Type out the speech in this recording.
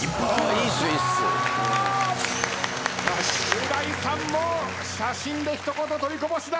う大さんも写真で一言取りこぼしなし。